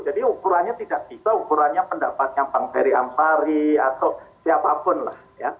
jadi ukurannya tidak bisa ukurannya pendapatnya pak ferry ampari atau siapapun lah